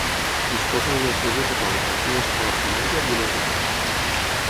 Disposa d'una església catòlica, una escola primària i un aeroport.